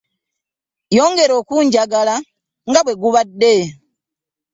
Yongera okunjagala nga bwe gubadde.